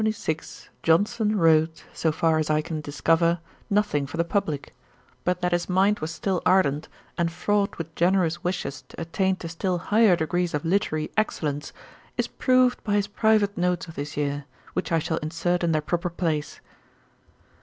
67 In 1776, Johnson wrote, so far as I can discover, nothing for the publick: but that his mind was still ardent, and fraught with generous wishes to attain to still higher degrees of literary excellence, is proved by his private notes of this year, which I shall insert in their proper place.